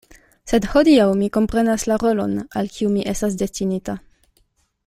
Sed hodiaŭ mi komprenas la rolon, al kiu mi estas destinita.